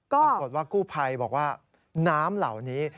ปรากฏว่ากู้ภัยบอกว่าน้ำเหล่านี้